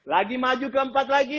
lagi maju ke empat lagi